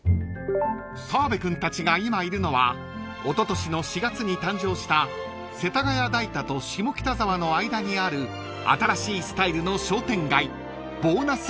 ［澤部君たちが今いるのはおととしの４月に誕生した世田谷代田と下北沢の間にある新しいスタイルの商店街］